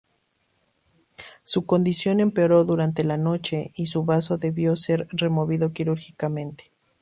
Su condición empeoró durante la noche y su bazo debió ser removido quirúrgicamente.